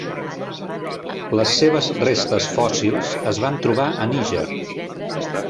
Les seves restes fòssils es van trobar a Níger.